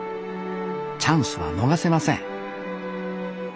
チャンスは逃せません